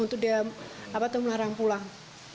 untuk dia apa untuk melarang pulang